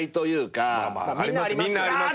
みんなありますよね。